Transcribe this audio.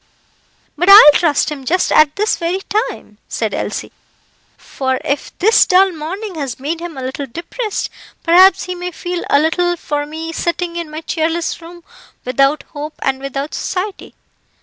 "But I will trust him just at this very time," said Elsie; "for if this dull morning has made him a little depressed, perhaps he may feel a little for me sitting in my cheerless room, without hope and without society.